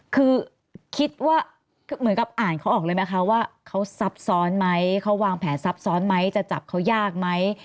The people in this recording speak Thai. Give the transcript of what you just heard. คือคิดว่าเหมือนกับอ่านเขาออกเลยไหมคะว่าเขาซับซ้อนไหมเขาวางแผนซับซ้อนไหมจะจับเขายากไหม